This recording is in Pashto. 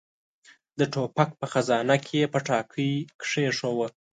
د ټوپک په خزانه کې يې پټاکۍ کېښوده.